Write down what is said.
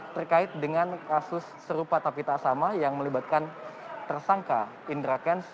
terkait dengan kasus serupa tapi tak sama yang melibatkan tersangka indra kents